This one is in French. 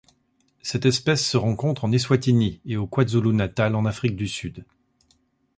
Cette espèce se rencontre en Eswatini et au KwaZulu-Natal en Afrique du Sud.